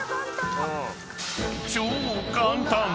［超簡単！